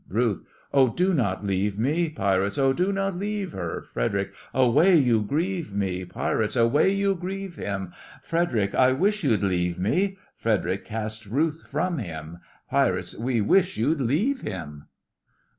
RUTH: Oh, do not leave me! PIRATES: Oh, do not leave her! FREDERIC: Away, you grieve me! PIRATES: Away, you grieve him! FREDERIC: I wish you'd leave me! (FREDERIC casts RUTH from him) PIRATES: We wish you'd leave him!